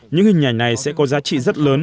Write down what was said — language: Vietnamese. những hình ảnh này sẽ có giá trị rất lớn